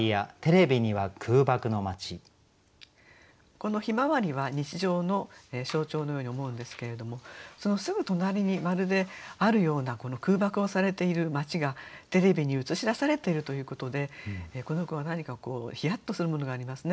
この「向日葵」は日常の象徴のように思うんですけれどもそのすぐ隣にまるであるような空爆をされている街がテレビに映し出されているということでこの句は何かひやっとするものがありますね。